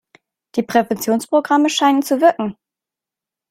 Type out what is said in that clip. Die Präventionsprogramme scheinen zu wirken.